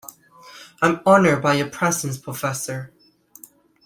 I am honoured by your presence professor.